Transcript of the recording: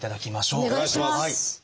お願いします！